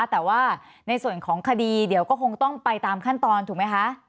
แต่ว่าในส่วนของคดีเดี๋ยวก็คงต้องไปตามขั้นตอนถูกไหมคะ